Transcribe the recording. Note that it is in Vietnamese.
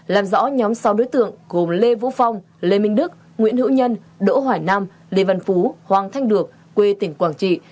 làm rõ nhóm sáu đối tượng gồm lê vũ phong lê minh đức nguyễn hữu nhân đỗ hoài nam lê văn phú hoàng thanh được quê tỉnh quảng trị